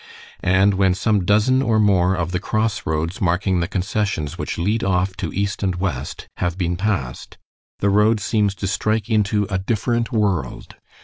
And when some dozen or more of the crossroads marking the concessions which lead off to east and west have been passed, the road seems to strike into a different world.